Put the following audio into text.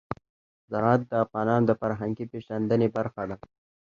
زراعت د افغانانو د فرهنګي پیژندنې برخه ده.